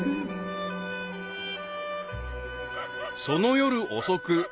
［その夜遅く］